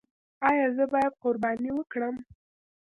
ایا زه باید قرباني وکړم؟